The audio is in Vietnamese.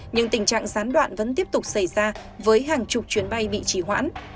nhưng tình trạng gián đoạn vẫn tiếp tục xảy ra với hàng chục chuyến bay bị trì hoãn